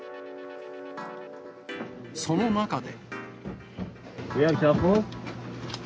その中で。